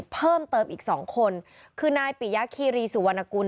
เพิ่มเติมอีกสองคนคือนายปิยะคีรีสุวรรณกุล